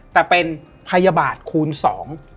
แต่เป็นพยาบาลคูณสอง